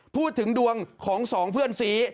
พูดถึงดวงของสองเพื่อนซี